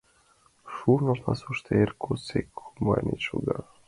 Шурно пасушто эр годсек комбайнет шога.